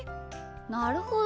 なるほど。